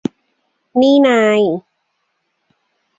นี่นาย